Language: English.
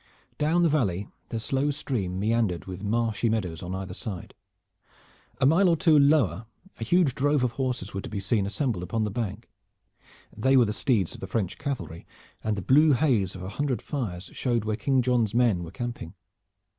Down the valley the slow stream meandered with marshy meadows on either side. A mile or two lower a huge drove of horses were to be seen assembled upon the bank. They were the steeds of the French cavalry, and the blue haze of a hundred fires showed where King John's men were camping.